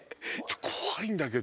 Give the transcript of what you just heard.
怖いんだけど。